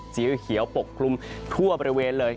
สีเขียวปกคลุมทั่วบริเวณเลย